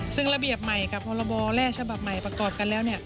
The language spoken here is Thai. ซึ่งระเบียบใหม่กับพรบแร่ฉบับใหม่ประกอบกันแล้ว